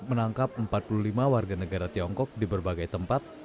menangkap empat puluh lima warga negara tiongkok di berbagai tempat